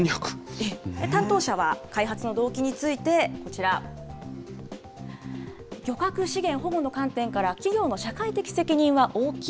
担当者は、開発の動機について、こちら、漁獲資源保護の観点から、企業の社会的責任は大きい。